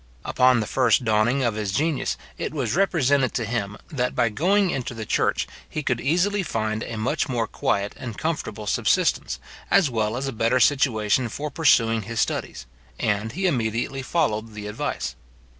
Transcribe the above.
Upon the first dawning of his genius, it was represented to him, that by going into the church he could easily find a much more quiet and comfortable subsistence, as well as a better situation for pursuing his studies; and he immediately followed the advice.